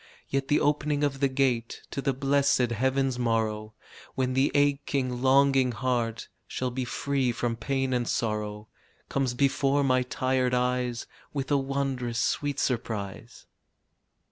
Yet the opening of the gate To the blessed heaven's morrow, When the aching, longing heart Shall be free from pain and sorrow, Comes before my tired eyes With a wondrous sweet surprise.